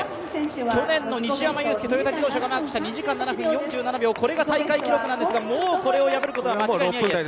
去年の西山雄介、トヨタ自動車がマークした２時間７分４７秒、これが大会記録なんですが、これを破ることは間違いないです。